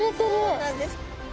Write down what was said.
そうなんです。